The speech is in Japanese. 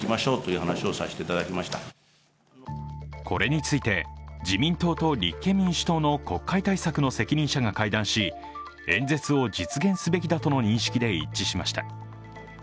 これについて、自民党と立憲民主党の国会対策の責任者が対談し演説を実現すべきだとの認識で一致しました。